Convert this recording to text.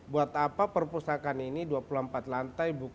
buat apa perpustakaan ini dua puluh empat lantai bukunya enam juta yang tercetak